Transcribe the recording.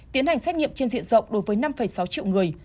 tiến hành xét nghiệm trên diện rộng đối với năm sáu triệu người